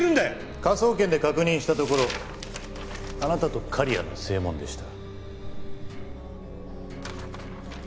科捜研で確認したところあなたと刈谷の声紋でした。